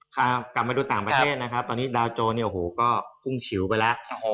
กลับมาดูต่างประเทศนะครับตอนนี้ดาวโจรเนี่ยโอ้โหก็พุ่งฉิวไปแล้ว